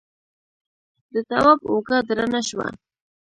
د تواب اوږه درنه شوه.